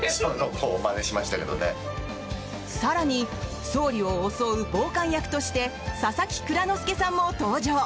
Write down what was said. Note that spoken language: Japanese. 更に、総理を襲う暴漢役として佐々木蔵之介さんも登場。